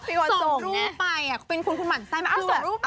ส่งรูปไปเป็นคุณคุณหมั่นใสมาเอาส่งรูปมา